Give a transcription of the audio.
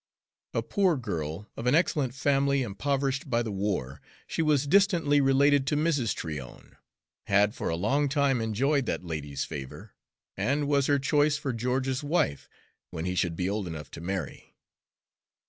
A poor girl, of an excellent family impoverished by the war, she was distantly related to Mrs. Tryon, had for a long time enjoyed that lady's favor, and was her choice for George's wife when he should be old enough to marry.